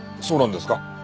そうなんですか？